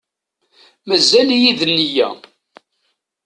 Mazal-iyi d nneyya.